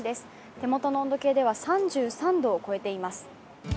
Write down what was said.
手元の温度計では３３度を超えています。